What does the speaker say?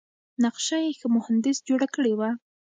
نقشه یې ښه مهندس جوړه کړې وه.